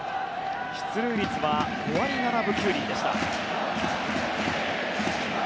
出塁率は５割７分９厘でした。